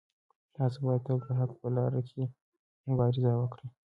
تاسو باید تل د حق په لاره کې مبارزه وکړئ.